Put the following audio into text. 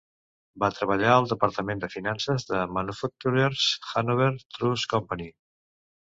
Va treballar al departament de finances de Manufacturer's Hanover Trust Company.